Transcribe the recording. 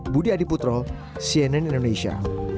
budi adiputro cnn indonesia